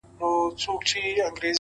هوښیار انسان هره ورځ وده کوي،